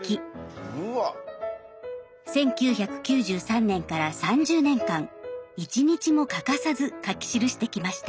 １９９３年から３０年間一日も欠かさず書き記してきました。